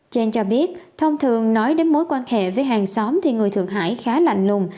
trên cho biết thông thường nói đến mối quan hệ với hàng xóm thì người thượng hải khá lành lùng